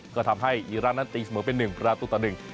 ก็ทำให้อิรันนัติศเหมือนเป็นหนึ่งประตูตะหนึ่ง